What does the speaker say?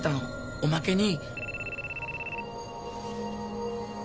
おまけに。